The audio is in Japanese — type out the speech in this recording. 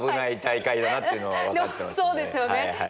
そうですよね。